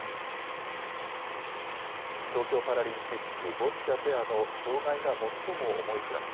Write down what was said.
東京パラリンピックボッチャペアの障害が最も重いクラス。